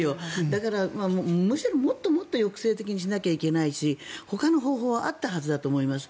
だからもっと抑制的にしなきゃいけないしほかの方法はあったはずだと思います。